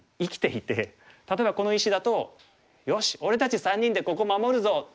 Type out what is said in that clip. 例えばこの石だと「よし！俺たち３人でここ守るぞ」。